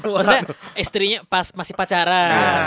maksudnya istrinya pas masih pacaran